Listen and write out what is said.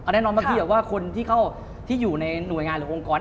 แน่นอนว่าคนที่อยู่ในหน่วยงานหรือองค์กร